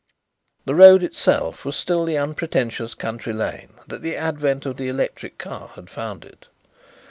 The road itself was still the unpretentious country lane that the advent of the electric car had found it.